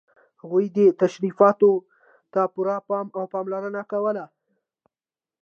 هغوی دې تشریفاتو ته پوره پام او پاملرنه کوله.